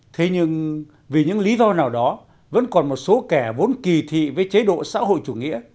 thế nhưng vì những lý do nào đó vẫn còn một số kẻ vốn kỳ thị với chế độ xã hội chủ nghĩa